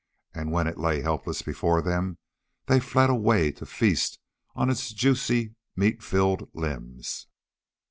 And when it lay helpless before them they fled away to feast on its juicy meat filled limbs.